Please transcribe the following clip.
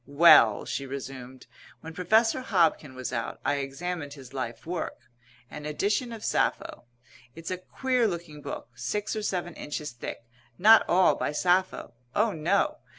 "Well," she resumed, "when Professor Hobkin was out, I examined his life work, an edition of Sappho. It's a queer looking book, six or seven inches thick, not all by Sappho. Oh, no.